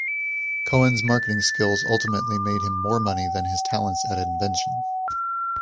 Cowen's marketing skills ultimately made him more money than his talents at invention.